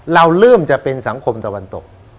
เราเริ่มจะเป็นสังคมตะวันตก